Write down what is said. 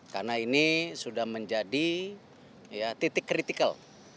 karena ini sudah menjadi titik kritikal